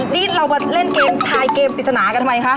นี่เรามาเล่นเกมทายเกมปริศนากันทำไมคะ